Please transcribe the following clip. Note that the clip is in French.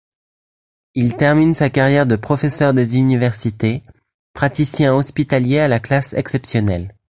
Il termine sa carrière de professeur des universités, praticien hospitalier à la classe exceptionnelle.